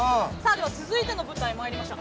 では続いての舞台にまいりましょう。